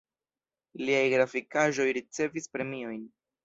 Liaj grafikaĵoj ricevis premiojn.